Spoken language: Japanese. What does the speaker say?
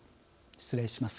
失礼します。